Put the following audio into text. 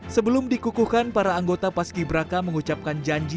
sebelum dikukuhkan para anggota paski braka mengucapkan janji